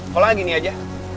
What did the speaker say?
kalau gak gini aja